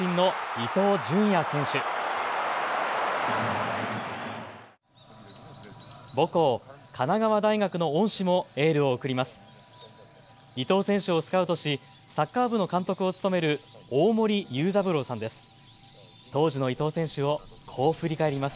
伊東選手をスカウトしサッカー部の監督を務める大森酉三郎さんです。